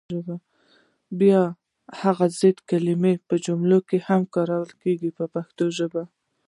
بیا دې هغه ضد کلمې په جملو کې هم وکاروي په پښتو ژبه.